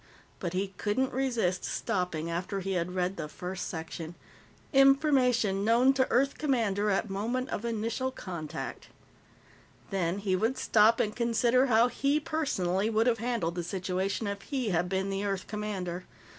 But he couldn't resist stopping after he had read the first section: Information Known to Earth Commander at Moment of Initial Contact. Then he would stop and consider how he, personally, would have handled the situation if he had been the Earth commander.